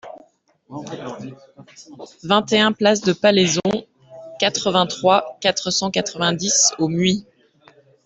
vingt et un place de Palayson, quatre-vingt-trois, quatre cent quatre-vingt-dix au Muy